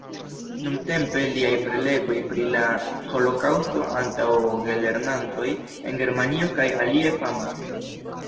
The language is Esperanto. Nuntempe liaj prelegoj pri la holokaŭsto antaŭ gelernantoj en Germanio kaj alie famas.